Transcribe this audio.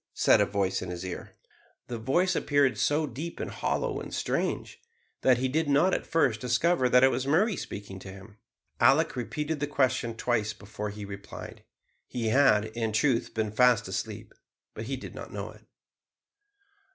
said a voice in his ear. The voice appeared so deep and hollow and strange, that he did not at first discover that it was Murray speaking to him. Alick repeated the question twice before he replied. He had, in truth, been fast asleep, but he did not know it.